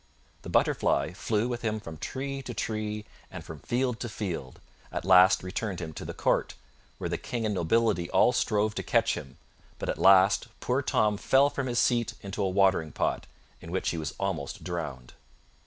The butterfly flew with him from tree to tree and from field to field, at last returned to the court, where the King and nobility all strove to catch him; but at last poor Tom fell from his seat into a watering pot, in which he was almost drowned.